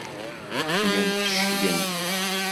Llan fecclen.